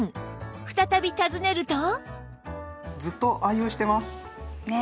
再び訪ねるとねえ。